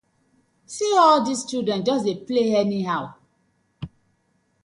See all dis children just dey play anyhow.